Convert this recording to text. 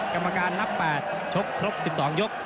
กรรมการนับ๘ชกครบ๑๒ยก